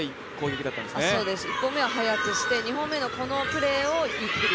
１本目は早くして２本目のこのプレーをゆっくり。